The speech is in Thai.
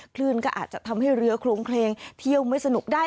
คลื่นก็อาจจะทำให้เรือโครงเคลงเที่ยวไม่สนุกได้